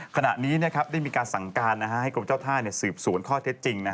ขณะนี้ได้มีการสั่งการให้กรมเจ้าท่าสืบสวนข้อเท็จจริง